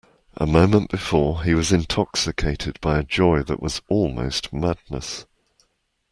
A moment before he was intoxicated by a joy that was almost madness.